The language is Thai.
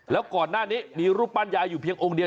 แล้วก่อนหน้านี้มีรูปปั้นยายอยู่เพียงองค์เดียว